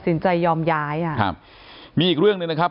สินใจยอมย้ายอ่ะครับมีอีกเรื่องหนึ่งนะครับ